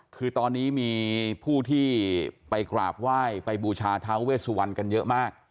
คือตอนนี้มีผู้ที่ไปกราบไหว้ไปบูชาท้าเวสวันกันเยอะมาก